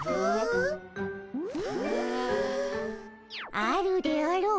あるであろう。